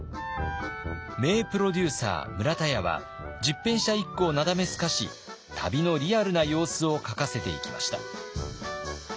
名プロデューサー村田屋は十返舎一九をなだめすかし旅のリアルな様子を書かせていきました。